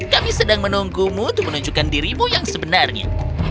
kami sedang menunggumu untuk menunjukkan dirimu yang sebenarnya